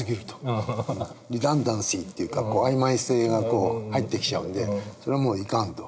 リダンダンシーというか曖昧性が入ってきちゃうんでそれはもういかんと。